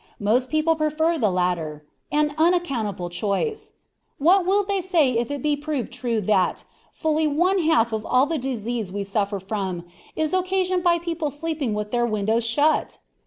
Most people prefer the latter, an unaccountable choice. What will they say if it be proved true that fully _one half of all the disease we suffer from, is occasioned by people sleeping with their windows shut?